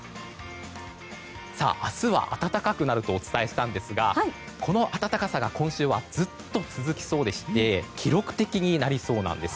明日は暖かくなるとお伝えしたんですがこの暖かさが今週はずっと続きそうでして記録的になりそうなんです。